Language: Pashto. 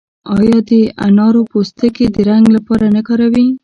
آیا د انارو پوستکي د رنګ لپاره نه کاروي؟